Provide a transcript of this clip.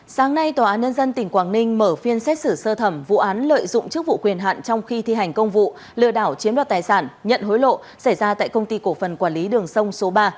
sáng nay tòa án nhân dân tỉnh quảng ninh mở phiên xét xử sơ thẩm vụ án lợi dụng chức vụ quyền hạn trong khi thi hành công vụ lừa đảo chiếm đoạt tài sản nhận hối lộ xảy ra tại công ty cổ phần quản lý đường sông số ba